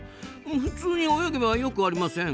普通に泳げばよくありません？